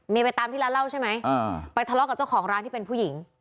ไปตามที่ร้านเหล้าใช่ไหมไปทะเลาะกับเจ้าของร้านที่เป็นผู้หญิง